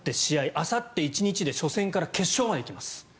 あさって１日で初戦から決勝まで行きます。